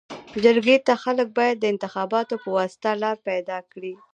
جرګي ته خلک باید د انتخاباتو پواسطه لار پيداکړي.